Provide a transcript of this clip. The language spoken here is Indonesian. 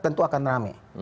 tentu akan ramai